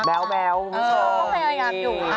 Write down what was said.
แบ๊วคุณผู้ชม